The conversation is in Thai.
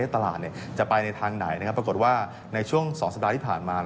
ตลาดจะไปในทางไหนปรากฏว่าในช่วง๒สัปดาห์ที่ผ่านมา